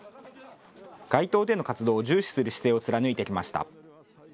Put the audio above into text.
街頭での活動を重視する姿勢を貫いてきました。